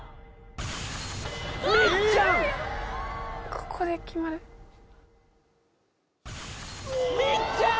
・ここで決まるみっちゃん！